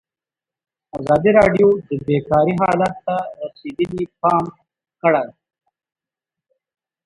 ازادي راډیو د بیکاري حالت ته رسېدلي پام کړی.